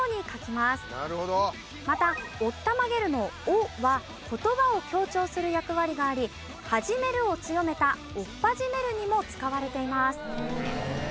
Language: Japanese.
また「おったまげる」の「おっ」は言葉を強調する役割があり「始める」を強めた「おっぱじめる」にも使われています。